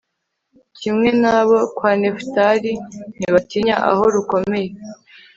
kimwe n'abo kwa nefutali, ntibatinya aho rukomeye